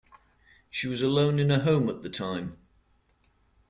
She was alone in her home at the time.